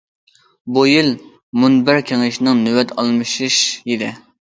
بۇ يىل مۇنبەر كېڭىشىنىڭ نۆۋەت ئالمىشىش يىلى.